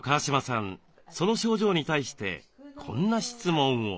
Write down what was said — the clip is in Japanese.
その症状に対してこんな質問を。